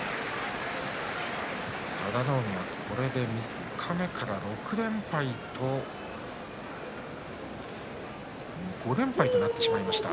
佐田の海は、これで三日目から５連敗となってしまいました。